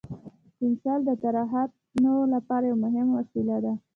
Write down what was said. پنسل د طراحانو لپاره یو مهم وسیله ده.